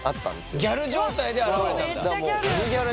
ギャル状態で現れたんだ。